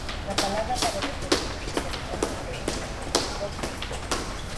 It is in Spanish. La palabra para referirse a sus habitantes es cockney.